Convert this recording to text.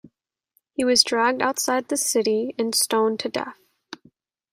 He was dragged outside the city and stoned to death.